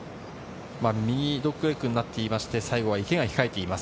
右ドッグレッグになっていまして、最後は池が控えています。